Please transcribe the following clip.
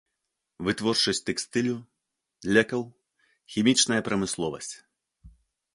Вытворчасць тэкстылю, лекаў, хімічная прамысловасць.